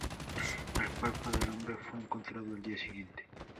El cuerpo del hombre fue encontrado al día siguiente.